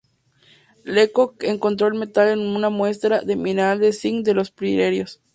Lecoq encontró el metal en una muestra de mineral de zinc de los Pirineos.